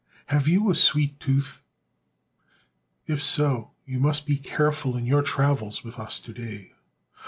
HAVE you a sweet tooth ? If so, you must be careful in your travels with us to day.